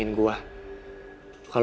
ini dari apa